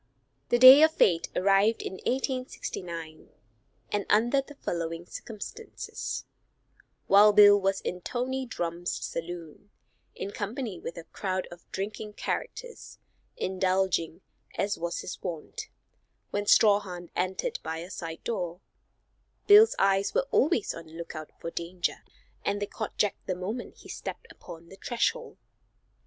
[Illustration: Death of Jack Strawhan.] The day of fate arrived in 1869, and under the following circumstances: Wild Bill was in Tommy Drum's saloon, in company with a crowd of drinking characters, indulging, as was his wont, when Strawhan entered by a side door. Bill's eyes were always on the lookout for danger, and they caught Jack the moment he stepped upon the threshold.